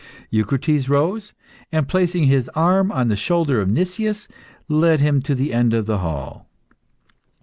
Eucrites rose, and placing his arm on the shoulder of Nicias, led him to the end of the hall.